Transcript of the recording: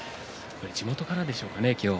地元からでしょうかね、今日。